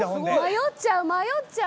迷っちゃう迷っちゃう。